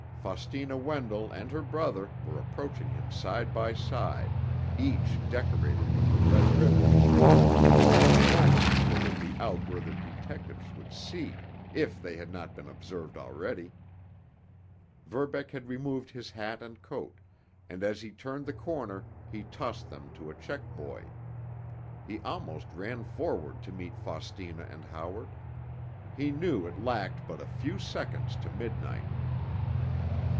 Faustina Wendell and her brother were approaching him side by side, each decorated with the red ribbon. In a moment they would be out where the detectives would see, if they had not been observed already. Verbeck had removed his hat and coat, and as he turned the corner he tossed them to a check boy. He almost ran forward to meet Faustina and Howard. He knew it lacked but a few seconds to midnight.